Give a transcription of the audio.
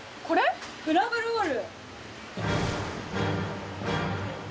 クラブロール。